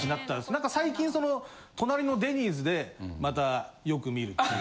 何か最近その隣のデニーズでまたよく見るっていう。